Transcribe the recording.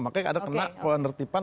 makanya ada kena penertiban